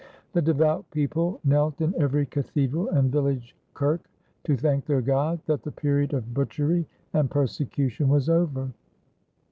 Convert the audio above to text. The devout people knelt in every cathedral and village Kerk to thank their God that the period of butchery and persecution was over.